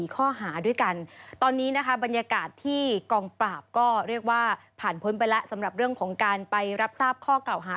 ข้อหาด้วยกันตอนนี้นะคะบรรยากาศที่กองปราบก็เรียกว่าผ่านพ้นไปแล้วสำหรับเรื่องของการไปรับทราบข้อเก่าหา